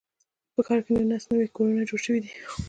په ښار کې نولس نوي کورونه جوړ شوي دي.